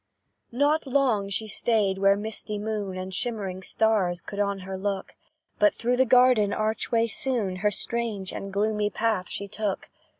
Not long she stayed where misty moon And shimmering stars could on her look, But through the garden archway soon Her strange and gloomy path she took.